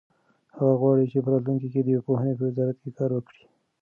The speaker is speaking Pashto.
هغه غواړي چې په راتلونکي کې د پوهنې په وزارت کې کار وکړي.